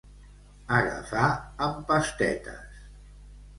Agafar amb pastetes.